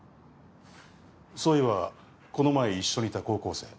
そういえばこの前一緒にいた高校生。